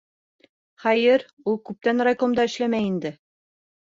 Хәйер, ул күптән райкомда эшләмәй инде.